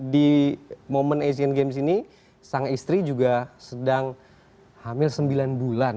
di momen asian games ini sang istri juga sedang hamil sembilan bulan